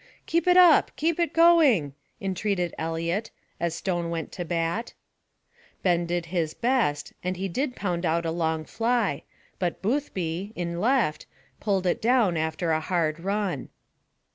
"Keep it up! keep it going!" entreated Eliot, as Stone went to bat. Ben did his best, and he did pound out a long fly, but Boothby, in left, pulled it down after a hard run.